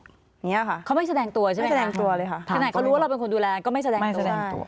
อย่างนี้ค่ะไม่แสดงตัวเลยค่ะถ้าไหนเขารู้ว่าเราเป็นคนดูแลก็ไม่แสดงตัว